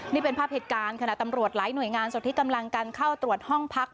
นี่เป็นภาพเหตุการณ์ขณะตำรวจหลายหน่วยงานส่วนที่กำลังกันเข้าตรวจห้องพัก